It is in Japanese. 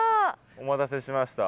お待たせしました。